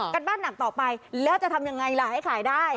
การบ้านหนักต่อไปแล้วจะทำยังไงล่ะให้ขายได้